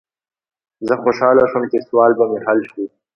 زه خوشحاله شوم چې سوال به مې حل شي.